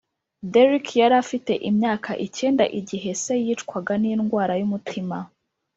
Derrick yari afite imyaka icyenda igihe se yicwaga n’indwara y’umutima